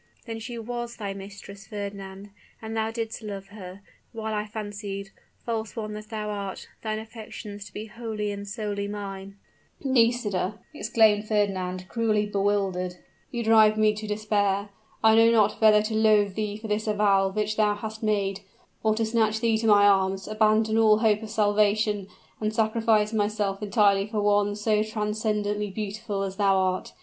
"Then she was thy mistress, Fernand! And thou didst love her, while I fancied, false one that thou art, thine affections to be wholly and solely mine." "Nisida," exclaimed Fernand, cruelly bewildered, "you drive me to despair. I know not whether to loathe thee for this avowal which thou hast made, or to snatch thee to my arms, abandon all hope of salvation, and sacrifice myself entirely for one so transcendently beautiful as thou art.